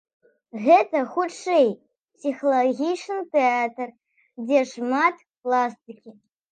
Гэта, хутчэй, псіхалагічны тэатр, дзе шмат пластыкі.